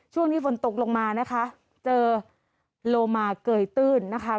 ช่วงนี้ฝนตกลงมานะคะเจอโลมาเกยตื้นนะคะ